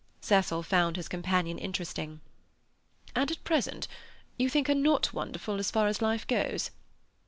Cecil found his companion interesting. "And at present you think her not wonderful as far as life goes?"